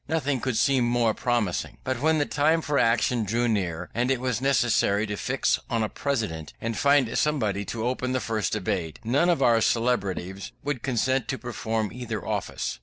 Nothing could seem more promising. But when the time for action drew near, and it was necessary to fix on a President, and find somebody to open the first debate, none of our celebrities would consent to perform either office.